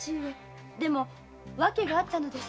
でも訳があったのです。